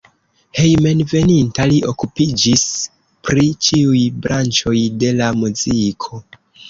Hejmenveninta li okupiĝis pri ĉiuj branĉoj de la muziko.